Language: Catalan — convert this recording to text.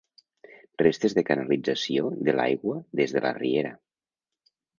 Restes de canalització de l'aigua des de la riera.